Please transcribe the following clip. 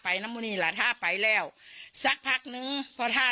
เพราข้างหน้าต่อไปเดี๋ยวนึกดังนั้นไปเล่า